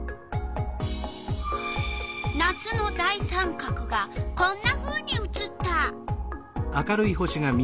夏の大三角がこんなふうに写った！